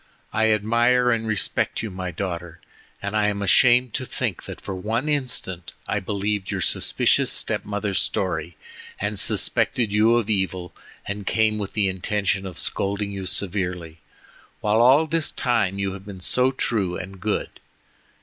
I admire and respect you, my daughter, and I am ashamed to think that for one instant I believed your suspicious step mother's story and suspected you of evil, and came with the intention of scolding you severely, while all this time you have been so true and good.